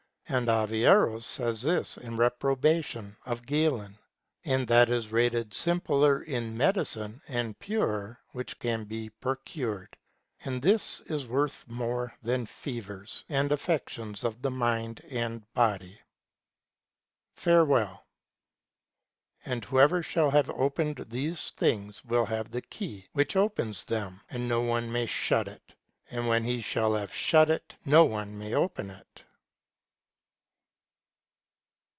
And Averroes says this in reprobation of Galen. And that is rated simpler in medicine, and purer, which can be procured ; and this is worth more against fevers, and affections of the mind and body. FAREWELL. And whoever shall have opened these things will have the key which opens them, and no one may shut it ; and when he shall have shut it no one may open it.